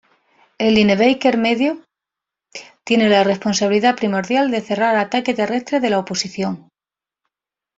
El linebacker medio tiene la responsabilidad primordial de cerrar ataque terrestre de la oposición.